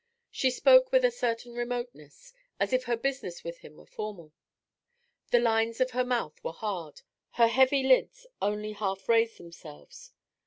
She spoke with a certain remoteness, as if her business with him were formal. The lines of her mouth were hard; her heavy lids only half raised themselves.